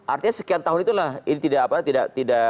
artinya sekian tahun itulah ini tidak apa tidak